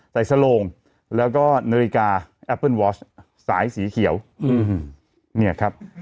สโลงแล้วก็นาฬิกาแอปเปิ้ลวอชสายสีเขียวเนี่ยครับ